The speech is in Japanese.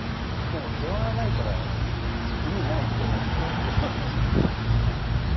終わらないから意味ないって思ってしまうんですよ。